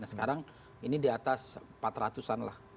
nah sekarang ini di atas empat ratus an lah